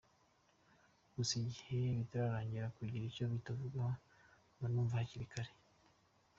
Gusa igihe bitararangira kugira icyo tubivugaho mba numva hakiri kare.